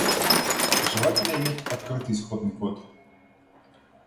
Желательно иметь открытый исходный код